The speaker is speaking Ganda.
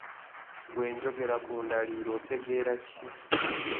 Bwe njogera ku ndaliira otegeera ki?